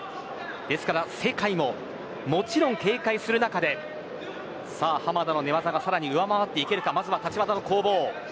ですから世界ももちろん警戒する中で濱田の寝技がさらに上回っていけるか立ち技の攻防です。